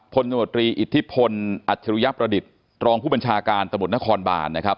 พลโนโตรีอิทธิพลอัชรุยัพย์ประดิษฐ์รองผู้บัญชาการตมตนครบานนะครับ